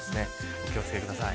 お気を付けください。